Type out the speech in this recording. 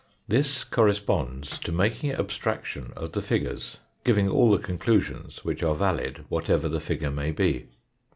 This corresponds to making abstraction of the figures, giving all the conclusions which are valid whatever the figure may be.